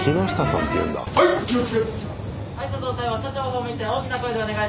はい。